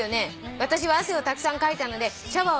「私は汗をたくさんかいたのでシャワーを浴びたんです」